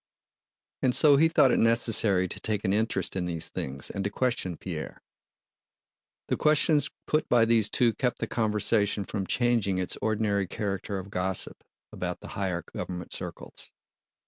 And so he thought it necessary to take an interest in these things and to question Pierre. The questions put by these two kept the conversation from changing its ordinary character of gossip about the higher government circles.